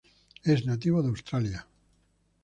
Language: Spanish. Es nativo de Australia.